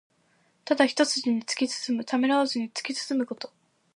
ただ一すじに突き進む。ためらわずに突き進むこと。